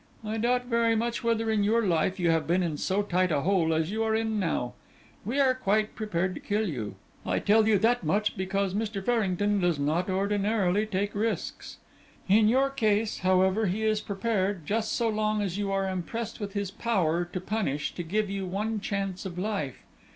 "I doubt very much whether in your life you have been in so tight a hole as you are in now. We are quite prepared to kill you; I tell you that much, because Mr. Farrington does not ordinarily take risks. In your case, however, he is prepared, just so long as you are impressed with his power to punish, to give you one chance of life.